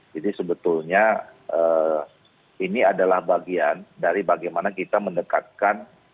jadi sebetulnya ini adalah bagian dari bagaimana kita mendekatkan